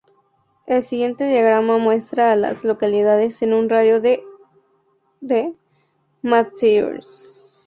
El siguiente diagrama muestra a las localidades en un radio de de Matthews.